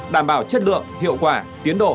đảm bảo chất lượng hiệu quả tiến độ